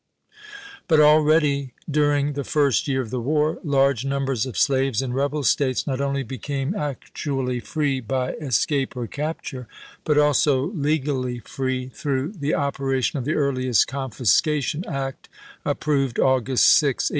But already, during the first year of the war, large numbers of slaves in rebel States not only became actually free by escape or capture, but also legally free through the operation of the earliest Confiscation Act, approved August 6, 1861.